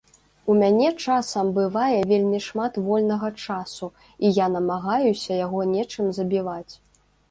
У мяне часам бывае вельмі шмат вольнага часу, і я намагаюся яго нечым забіваць.